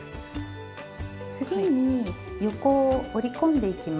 次に横を折り込んでいきます。